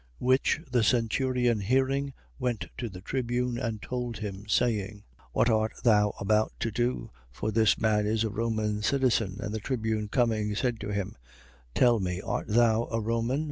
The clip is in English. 22:26. Which the centurion hearing, went to the tribune and told him, saying: What art thou about to do? For this man is a Roman citizen. 22:27. And the tribune coming, said to him: Tell me. Art thou a Roman?